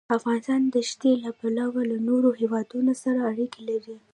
افغانستان د ښتې له پلوه له نورو هېوادونو سره اړیکې لري.